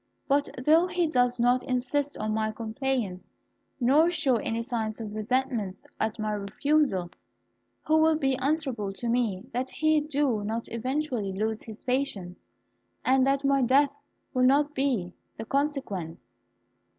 But though he does not insist on my compliance, nor show any signs of resentment at my refusal, who will be answerable to me that he do not eventually lose his patience, and that my death will not be the consequence?"